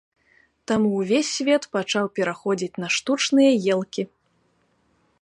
Таму ўвесь свет пачаў пераходзіць на штучныя елкі.